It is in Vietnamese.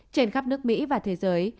trên khắp nước mỹ và thế giới